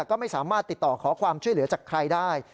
ก็ไม่สามารถติดต่อขอความช่วยเหลือจากใครได้